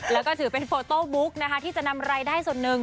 แล้วก็ถือเป็นโฟโต้บุ๊กนะคะที่จะนำรายได้ส่วนหนึ่ง